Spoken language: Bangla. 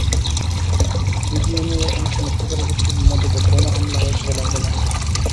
বিজিএমইএর অনুষ্ঠানে সরকারি গোষ্ঠীর মদদে বোমা হামলা হয়েছে বলে আমরা মনে করি।